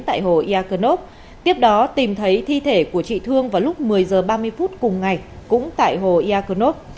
tại hồ iaconop tiếp đó tìm thấy thi thể của chị thương vào lúc một mươi giờ ba mươi phút cùng ngày cũng tại hồ iaconop